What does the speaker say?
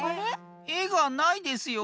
えがないですよ。